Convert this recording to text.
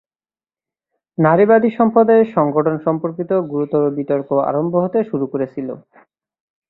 নারীবাদী সম্প্রদায়ের সংগঠন সম্পর্কিত গুরুতর বিতর্ক আরম্ভ হতে শুরু করেছিল।